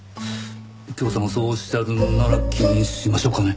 右京さんがそうおっしゃるのなら気にしましょうかね。